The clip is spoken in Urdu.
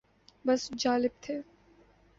بس جالب تھے۔